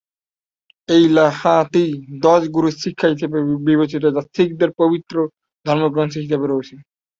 এই লেখাটি দশ গুরুর শিক্ষা হিসাবে বিবেচিত যা শিখদের পবিত্র ধর্মগ্রন্থ হিসাবে রয়ে গেছে।